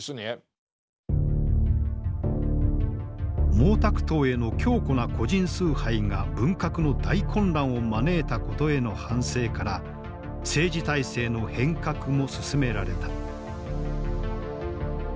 毛沢東への強固な個人崇拝が文革の大混乱を招いたことへの反省から政治体制の変革も進められた。